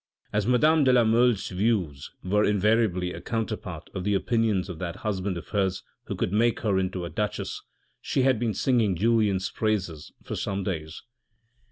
As madame de la Mole's views were invariably a counterpart of the opinions of that husband of hers who could make her into a Duchess, she had been singing Julien's praises for some days.